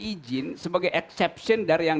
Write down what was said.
izin sebagai acception dari yang